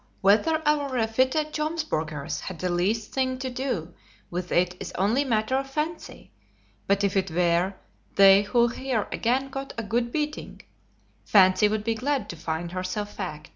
Whether our refitted Jomsburgers had the least thing to do with it is only matter of fancy, but if it were they who here again got a good beating, fancy would be glad to find herself fact.